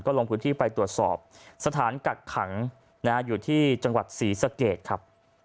ลงพื้นที่ไปตรวจสอบสถานกักขังอยู่ที่จังหวัดศรีสะเกดครับ